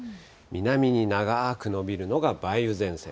南に長く延びるのが梅雨前線。